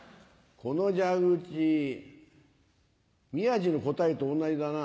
この蛇口宮治の答えと同じだな。